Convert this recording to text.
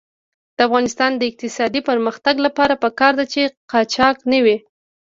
د افغانستان د اقتصادي پرمختګ لپاره پکار ده چې قاچاق نه وي.